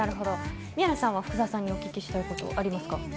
宮根さんは福澤さんにお聞きしたいことありますか？